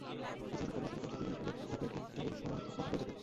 Presiding কর্মকর্তাকে পরিস্থিতি অনুকূলে থাকলে ভোট চালুর করার কথা বলে যান তিনি।